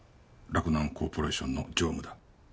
洛南コーポレーションの常務だ。